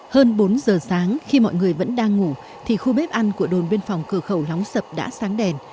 hơn bốn giờ sáng khi mọi người vẫn đang ngủ thì khu bếp ăn của đồn biên phòng cửa khẩu lóng sập đã sáng đèn